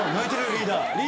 リーダー。